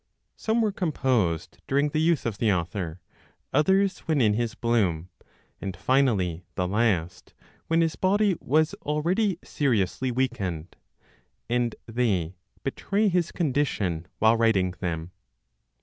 Some were composed during the youth of the author, others when in his bloom, and finally the last, when his body was already seriously weakened; and they betray his condition while writing them.